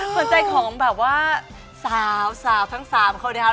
ขวัญใจของแบบว่าสาวทั้ง๓คนเนี่ยค่ะ